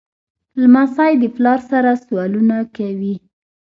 لمسی د پلار سره سوالونه کوي.